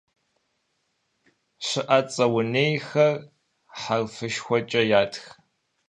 Щыӏэцӏэ унейхэр хьэрфышхуэкӏэ ятх.